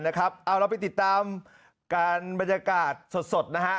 เอาเราไปติดตามการบรรยากาศสดนะฮะ